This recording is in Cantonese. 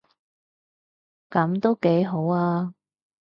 噉都幾好吖